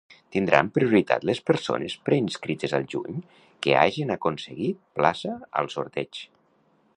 Tindran prioritat les persones preinscrites al juny que hagin aconseguit plaça al sorteig.